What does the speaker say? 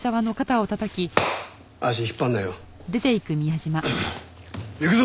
足引っ張んなよ。行くぞ！